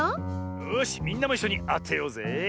よしみんなもいっしょにあてようぜえ！